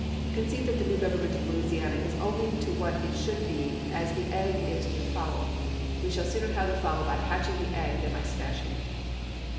Concede that the new government of Louisiana is only to what it should be as the egg is to the fowl, we shall sooner have the fowl by hatching the egg than by smashing it.